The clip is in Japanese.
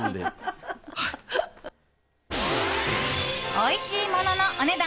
おいしいもののお値段